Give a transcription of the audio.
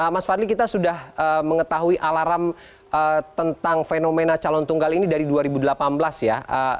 mas fadli kita sudah mengetahui alarm tentang fenomena calon tunggal ini dari dua ribu delapan belas ya